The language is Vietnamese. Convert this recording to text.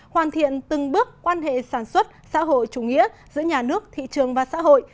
hoàn thiện từng bước quan hệ sản xuất xã hội chủ nghĩa giữa nhà nước thị trường và xã hội